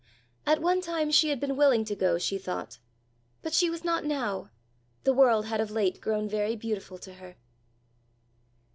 At one time she had been willing to go, she thought, but she was not now! The world had of late grown very beautiful to her!